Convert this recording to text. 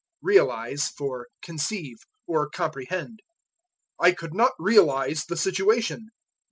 Realize for Conceive, or Comprehend. "I could not realize the situation."